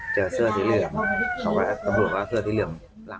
เจอเสื้อสีเหลื่อมตำรวจว่าเสื้อสีเหลื่อม